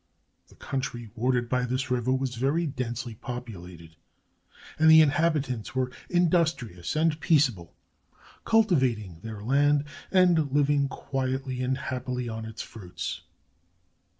The coun try watered by this river was very densely populated, and the inhabitants were industrious and peaceable, cultivating their land, and living quietly and happily on its fruits.